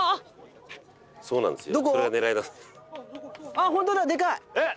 あっホントだでかい！えっ？